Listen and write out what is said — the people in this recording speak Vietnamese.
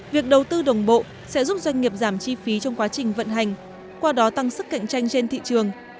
việc đầu tư đồng bộ sẽ giúp doanh nghiệp giảm chi phí trong quá trình vận hành qua đó tăng sức cạnh tranh trên thị trường